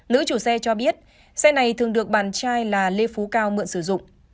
nữ chủ xe cho biết xe này thường được bạn trai là lê phú cao mượn sử dụng